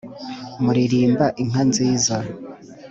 muririmba inka nziza